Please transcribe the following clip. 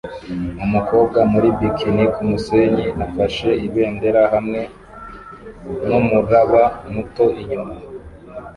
Umukobwa muri bikini kumusenyi ufashe ibendera hamwe numuraba muto inyuma